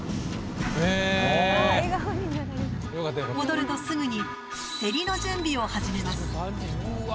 戻るとすぐにセリの準備を始めます。